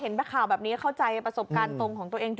ข่าวแบบนี้เข้าใจประสบการณ์ตรงของตัวเอง